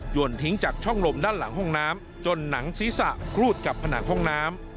ทิ้งจากช่องลมด้านหลังห้องน้ำจนหนังศีรษะครูดกับผนังห้องน้ำ